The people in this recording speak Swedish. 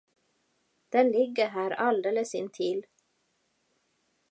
Den ligger här alldeles intill.